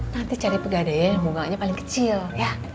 nanti cari pegadainya yang bunganya paling kecil ya